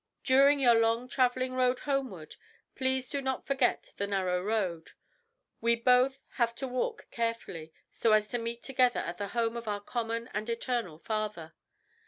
"During your long travelling road homeward please do not forget the narrow road. We both have to walk carefully, so as to meet together at the home of our common and eternal Father.